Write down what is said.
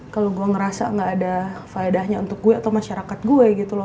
kalau gue ngerasa gak ada faedahnya untuk gue atau masyarakat gue gitu loh